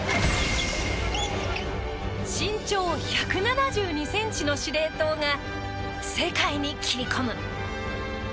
身長１７２ｃｍの司令塔が世界に切り込む。